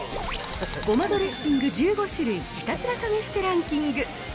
ごまドレッシング１５種類、ひたすら試してランキング。